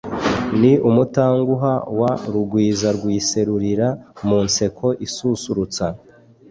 Ni umutanguha wa RugwizaRwisesurira mu nseko isusurutsa